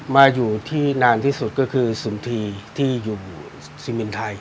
มาอยู่ที่นานที่สุดก็คือสุนทรีย์ที่อยู่ซีมินไทย